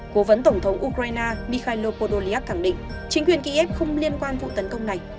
cố vấn tổng thống ukraine mikhail podolyak khẳng định chính quyền kyiv không liên quan vụ tấn công này